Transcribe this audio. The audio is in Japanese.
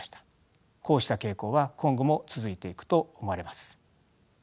こうした傾向は今後も続いていくと思われます。